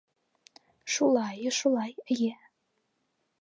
Шулай, шулай, эйе!